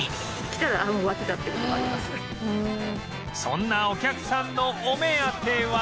そんなお客さんのお目当ては